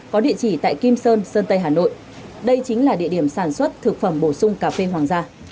có địa chỉ tại kim sơn sơn tây hà nội đây chính là địa điểm sản xuất thực phẩm bổ sung cà phê hoàng gia